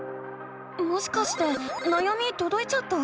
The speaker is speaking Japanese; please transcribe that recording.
もしかしてなやみとどいちゃった？